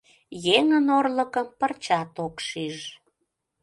Еҥын орлыкым пырчат ок шиж.